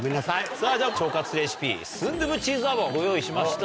さぁでは腸活レシピスンドゥブチーズアボご用意しました。